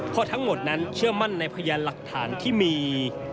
เพราะทั้งหมดนั้นเชื่อมั่นในพยานหลักฐานที่มี